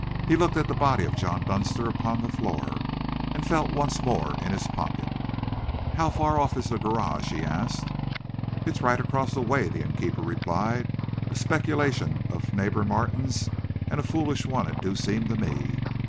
He looked at the body of John Dunster upon the floor, and felt once more in his pocket. "How far off is the garage?" he asked. "It's right across the way," the innkeeper replied, "a speculation of Neighbour Martin's, and a foolish one it do seem to me.